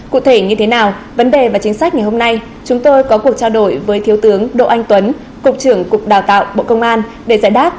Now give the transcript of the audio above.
cụ thể như thế nào vấn đề và chính sách ngày hôm nay chúng tôi có cuộc trao đổi với thiếu tướng đỗ anh tuấn cục trưởng cục đào tạo bộ công an để giải đáp